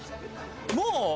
もう？